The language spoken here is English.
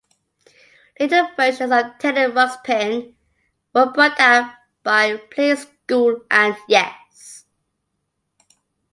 Later versions of "Teddy Ruxpin" were brought out by Playskool and Yes!